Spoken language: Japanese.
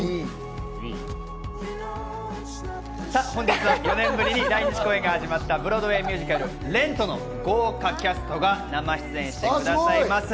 本日は４年ぶりに来日公演が始まったブロードウェーミュージカル『ＲＥＮＴ』の豪華キャストが生出演してくださいます。